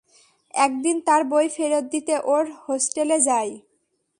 একদিন তার বই ফেরত দিতে ওর হোস্টেলে যাই।